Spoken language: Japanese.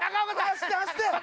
走って走って！